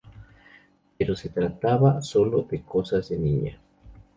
Pero se trataba solo de cosas de niña.